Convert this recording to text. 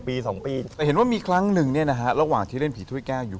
สองปีแต่เห็นว่ามีครั้งหนึ่งเนี่ยนะฮะระหว่างที่เล่นผีถ้วยแก้วอยู่